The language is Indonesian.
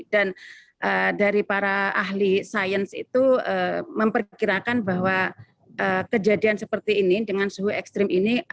dan dari para ahli sains itu memperkirakan bahwa kejadian seperti ini dengan suhu ekstrim ini